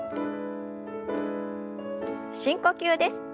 深呼吸です。